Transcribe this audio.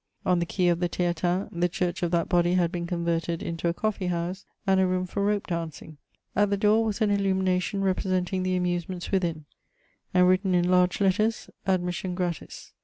On the quay of the TheaHns^ the church of that body had been con verted into a coflfee house, and a room for rope dancing. At the door was an illumination representing the amusements >vithin ; and written in large letters : admission gratis.